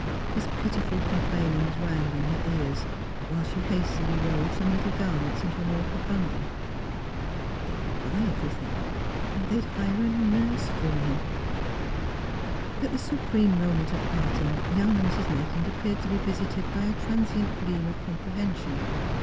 His pitiful complainings rang in her ears while she hastily rolled some little garments into an awkward bundle. They could buy everything. And they would hire a nurse for him. ... At the supreme moment of parting young Mrs. Maitland appeared to be visited by a transient gleam of comprehension.